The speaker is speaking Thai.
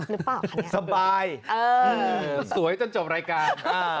นึกเปล่าคะเนี่ยสบายสวยจนจบรายการ